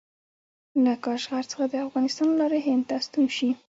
له کاشغر څخه د افغانستان له لارې هند ته ستون شي.